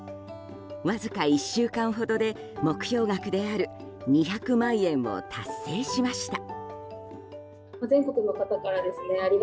わずか１週間ほどで目標額である２００万円を達成しました。